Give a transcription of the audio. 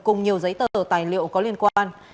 cùng nhiều giấy tờ tài liệu có liên quan